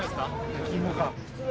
焼き芋か。